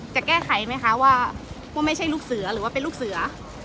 จะแก้ไขไหมคะว่าไม่ใช่ลูกเสือหรือว่าเป็นลูกเสือ